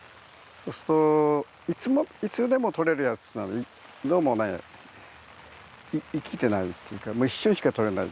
そうするといつでも撮れるやつはねどうもね生きてないっていうかもう一瞬しか撮れない。